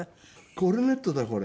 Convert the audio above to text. コルネットだこれ。